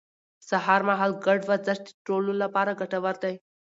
سهار مهال ګډ ورزش د ټولو لپاره ګټور دی